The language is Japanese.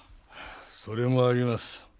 それもあります。